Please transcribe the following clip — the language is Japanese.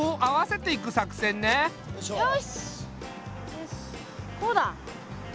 よしこうだ。